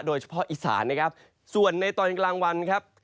โดยเฉพาะอีสานนะครับส่วนในตอนกลางวันครับ